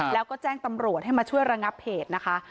แล้วก็แจ้งตำรวจให้มาช่วยระงับเหตุนะคะ